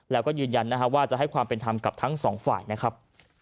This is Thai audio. แล้วก็ยืนยันนะครับว่าจะให้ความเป็นธรรมกับทั้งสองฝ่ายนะครับ